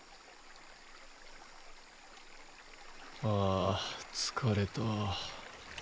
ああ疲れた。